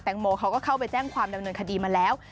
งโมเขาก็เข้าไปแจ้งความดำเนินคดีมาแล้ว